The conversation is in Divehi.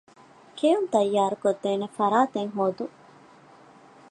ކެއުން ތައްޔާރުކޮށްދޭނެ ފަރާތެއް ހޯދުން